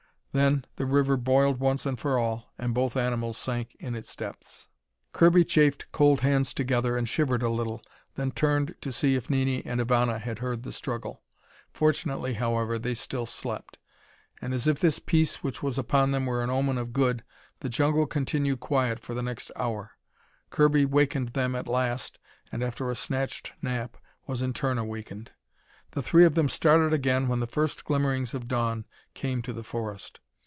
Then the river boiled once and for all, and both animals sank in its depths. Kirby chafed cold hands together and shivered a little, then turned to see if Nini and Ivana had heard the struggle. Fortunately, however, they still slept. And as if this peace which was upon them were an omen of good, the jungle continued quiet for the next hour. Kirby wakened them at last, and after a snatched nap, was in turn awakened. The three of them started again when the first glimmerings of dawn came to the forest.